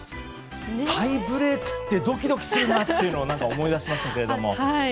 タイブレークってドキドキするなって思い出しましたけれど。